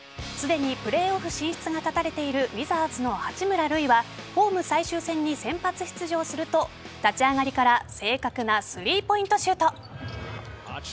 すでにプレーオフ進出が絶たれているウィザーズの八村塁はホーム最終戦に先発出場すると立ち上がりから正確なスリーポイントシュート。